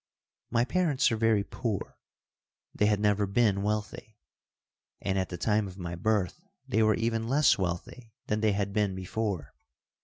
My parents are very poor. They had never been wealthy, and at the time of my birth they were even less wealthy than they had been before.